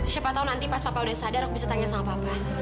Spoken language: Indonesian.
siapa tahu nanti pas papa udah sadar aku bisa tanya sama papa